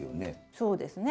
そうですね。